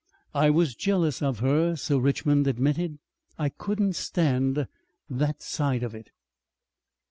"I was jealous of her," Sir Richmond admitted. "I couldn't stand that side of it."